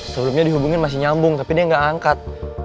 sebelumnya dihubungin masih nyambung tapi dia nggak angkat